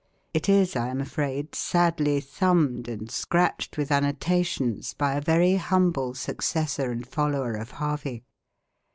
It is, I am afraid, sadly thumbed and scratched with annotations by a very humble successor and follower of Harvey.